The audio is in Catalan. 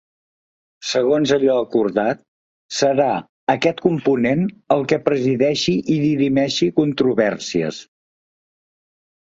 Segons allò acordat, serà “aquest component el que presideixi i dirimeixi controvèrsies”.